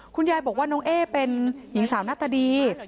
คุณยายบอกว่าน้องเอ๊เป็นหญิงสาวหน้าตาดี